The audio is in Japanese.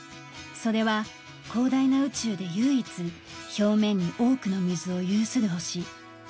それは広大な宇宙で唯一表面に多くの水を有するほし。